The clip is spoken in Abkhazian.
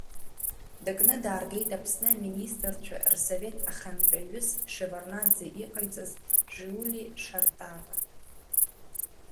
Дыкны дааргеит Аԥсны аминистрцәа Рсовет ахантәаҩыс Шеварднаӡе иҟаиҵаз Жиули Шартава.